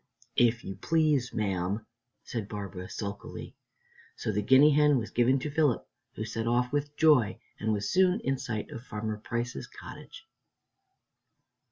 "If you please, ma'am," said Barbara sulkily. So the guinea hen was given to Philip, who set off with joy and was soon in sight of Farmer Price's cottage.